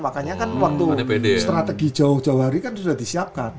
makanya kan waktu strategi jauh jawari kan sudah disiapkan